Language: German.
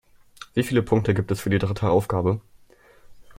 Wie viele Punkte gibt es für die dritte Aufgabe?